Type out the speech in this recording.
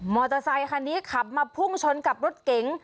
อเตอร์ไซคันนี้ขับมาพุ่งชนกับรถเก๋ง